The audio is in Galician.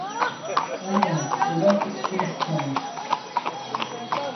Ai non, e logo, como se chama?